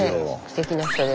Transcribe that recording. すてきな人で。